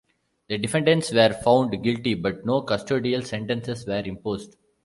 The defendants were found guilty, but no custodial sentences were imposed.